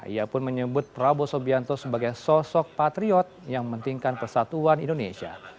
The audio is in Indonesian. ia pun menyebut prabowo subianto sebagai sosok patriot yang mementingkan persatuan indonesia